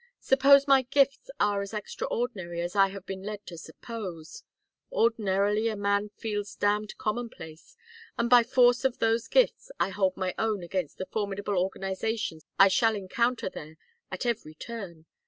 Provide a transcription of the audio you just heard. Suppose my gifts are as extraordinary as I have been led to suppose ordinarily a man feels damned commonplace and by force of those gifts I hold my own against the formidable organizations I shall encounter there at every turn?